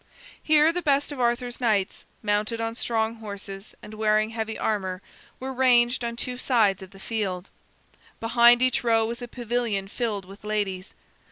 Here the best of Arthur's knights, mounted on strong horses and wearing heavy armor, were ranged on two sides of the field. Behind each row was a pavilion filled with ladies.